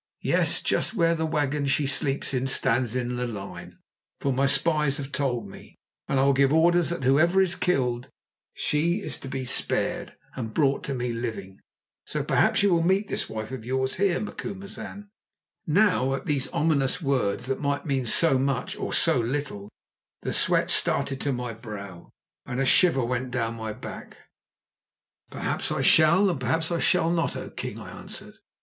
Yes, just where the wagon she sleeps in stands in the line, for my spies have told me, and I will give orders that whoever is killed, she is to be spared and brought to me living. So perhaps you will meet this wife of yours here, Macumazahn." Now, at these ominous words, that might mean so much or so little, the sweat started to my brow, and a shiver went down my back. "Perhaps I shall and perhaps I shall not, O king," I answered.